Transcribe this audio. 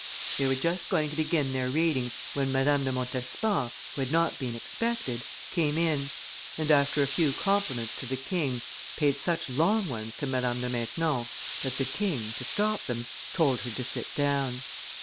They were just going to begin their reading, when Madame do Montespan, who had not been expected, came in, and after a few compliments to the king, paid such long ones to Madame de Maintenon, that the king, to stop them, told her to sit down.